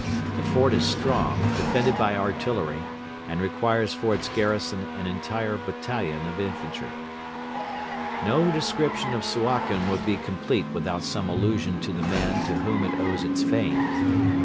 The fort is strong, defended by artillery, and requires for its garrison an entire battalion of infantry. No description of Suakin would be complete without some allusion to the man to whom it owes its fame.